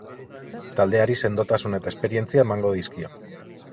Taldeari sendotasuna eta esperientzia emango dizkio.